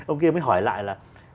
ông kia mới hỏi lại là